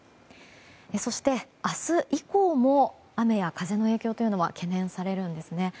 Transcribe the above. そして、明日以降も雨や風の影響が懸念されるんですね。